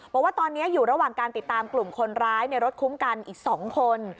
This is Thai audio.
บอกว่าตอนนี้อยู่ระหว่างการติดตามกลุ่มคนร้ายในรถคุ้มกันอีก๒คน